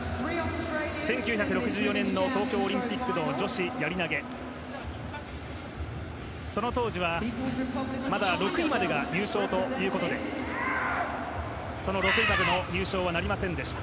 １９６４年の東京オリンピックの女子やり投げ、その当時はまだ６位までが入賞ということでその６位までの入賞なりませんでした。